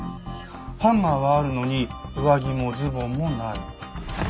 ハンガーはあるのに上着もズボンもない。